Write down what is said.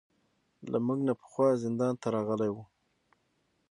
له موږ نه پخوا زندان ته راغلي وو.